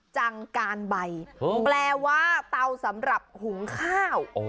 จังการใบแปลว่าเตาสำหรับหุงข้าว